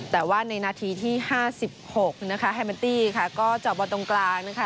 แต่ว่าในนาทีที่ห้าสิบหกนะคะแฮมเมตตี้ค่ะก็จอบบนตรงกลางนะคะ